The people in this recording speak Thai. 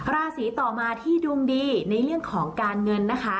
ราศีต่อมาที่ดวงดีในเรื่องของการเงินนะคะ